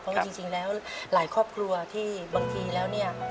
เพราะว่าจริงแล้วหลายครอบครัวที่บางทีแล้วเนี่ย